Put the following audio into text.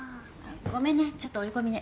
ごめんねちょっと追い込みで。